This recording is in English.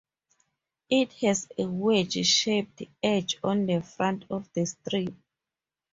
It has a wedge shaped edge on the front of the strip.